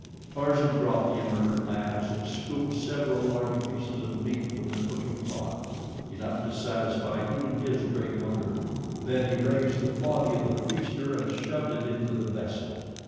Tarzan dropped the inert mass and scooped several large pieces of meat from the cooking pot enough to satisfy even his great hunger then he raised the body of the feaster and shoved it into the vessel.